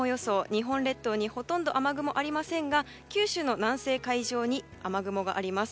日本列島にほとんど雨雲ありませんが九州の南西海上に雨雲があります。